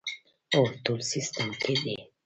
هو، ټول سیسټم کې دي